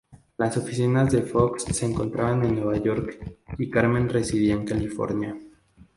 Las oficinas de Fox se encontraban en Nueva York, y Carmen residía en California.